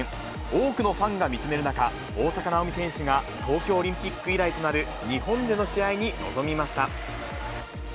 多くのファンが見つめる中、大坂なおみ選手が東京オリンピック以来となる日本での試合に臨みました。